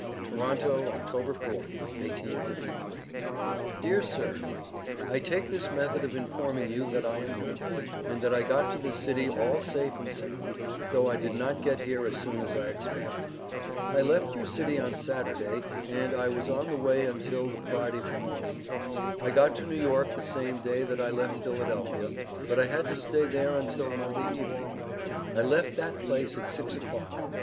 TORONTO, October 4th, 1853. DEAR SIR: I take this method of informing you that I am well, and that I got to this city all safe and sound, though I did not get here as soon as I expect. I left your city on Saterday and I was on the way untel the Friday following. I got to New York the same day that I left Philadelphia, but I had to stay there untel Monday evening. I left that place at six o'clock.